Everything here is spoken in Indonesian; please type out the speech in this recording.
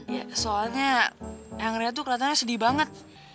ya soalnya yang ngeria tuh kelihatannya sedih banget